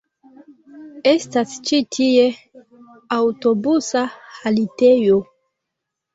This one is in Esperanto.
Estas ĉi tie aŭtobusa haltejo.